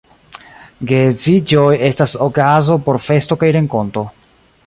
Geedziĝoj estas okazo por festo kaj renkonto.